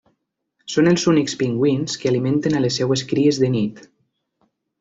Són els únics pingüins que alimenten a les seves cries de nit.